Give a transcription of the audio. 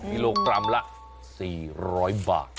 กิโลกรัมละ๔๐๐บาท